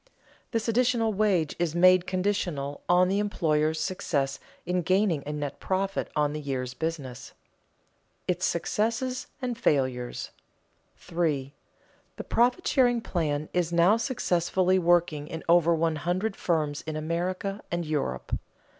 This additional wage is made conditional on the employer's success in gaining a net profit on the year's business. [Sidenote: Its successes and failures] 3. _The profit sharing plan is now successfully working in over one hundred firms in America and Europe.